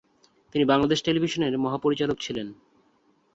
তিনি বাংলাদেশ টেলিভিশনের মহাপরিচালক ছিলেন।